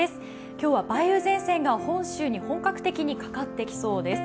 今日は梅雨前線が本州に本格的にかかってきそうです。